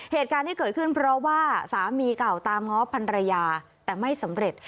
เหตุการณ์ที่เกิดขึ้นเพราะว่าสามีเก่าตามง้อพันรยาแต่ไม่สำเร็จ